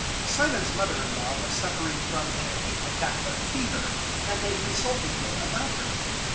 Simon's mother in law was suffering from an acute attack of fever; and they consulted Him about her.